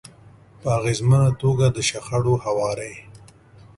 -په اغیزمنه توګه د شخړو هواری